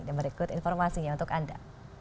dan berikut informasinya untuk anda